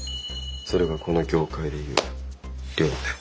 それがこの業界で言う「両手」。